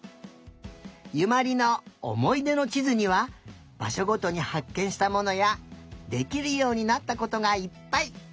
ゆまりのおもいでのちずにはばしょごとにはっけんしたものやできるようになったことがいっぱい。